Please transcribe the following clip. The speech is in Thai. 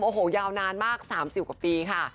โอ้โหยาวนานมาก๓๐กว่าปีค่ะ